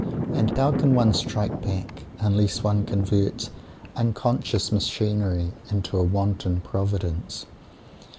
And how can one "strike back" unless one converts unconscious machinery into a wanton Providence?